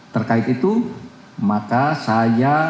terkait itu maka saya akan mencari informasi yang akurat tentang hal tersebut